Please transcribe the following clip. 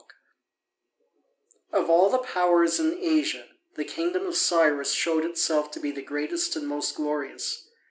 8] Of all the powers in Asia, the kingdom of Cyrus showed itself to be the greatest and most glorious.